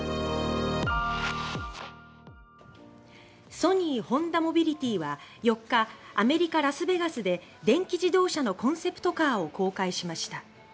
ソニー・ホンダモビリティは４日アメリカ・ラスベガスで電気自動車のコンセプトカーを公開しました。